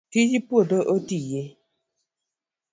tije puodho otiye